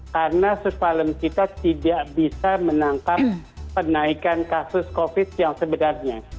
karena sebaliknya kita tidak bisa menangkap penaikan kasus covid yang sebenarnya